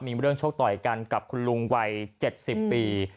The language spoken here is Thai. มีเรื่องโชคต่อยกันกับคุณลุงวัย๗๐ปี